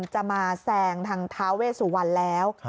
จะมาแซงทางท้าเวสุวรรณแล้ว